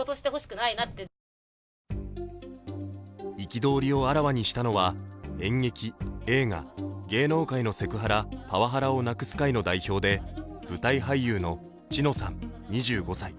憤りをあらわにしたのは演劇・映画・芸能界のセクハラ・パワハラをなくす会の代表で舞台俳優の知乃さん２５歳。